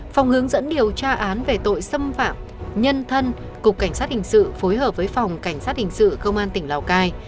phòng hướng dẫn điều tra án về tội xâm phạm nhân thân cục cảnh sát hình sự phối hợp với phòng cảnh sát hình sự công an tỉnh lào cai